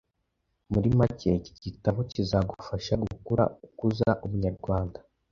Muri make, iki gitabo kizagufasha gukura ukuza ubunyarwanda